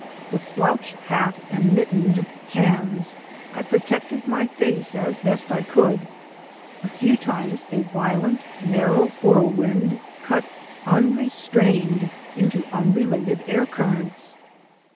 With slouch hat and mittened hands I protected my face as best I could. A few times a violent, narrow whirlwind cut un restrained into unrelated air currents.